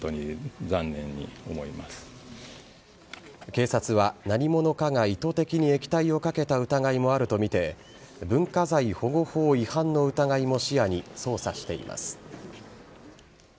警察は、何者かが意図的に液体をかけた疑いもあるとみて文化財保護法違反の疑いも視野に捜査しています。